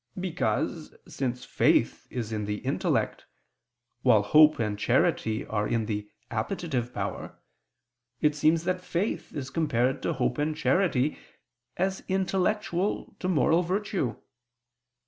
Because, since faith is in the intellect, while hope and charity are in the appetitive power, it seems that faith is compared to hope and charity, as intellectual to moral virtue.